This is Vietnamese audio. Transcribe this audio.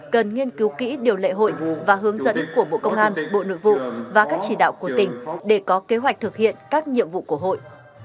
cần nghiên cứu kỹ điều lệ hội và hướng dẫn của bộ công an bộ nội vụ và các chỉ đạo của tỉnh để có kế hoạch thực hiện các nhiệm vụ của hội